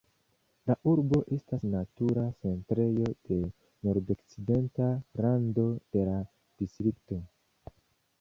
La urbo estas natura centrejo de nordokcidenta rando de la distrikto.